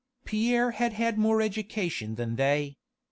Pierre had had more education than they.